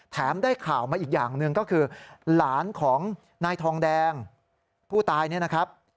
ได้ข่าวมาอีกอย่างหนึ่งก็คือหลานของนายทองแดงผู้ตายเนี่ยนะครับ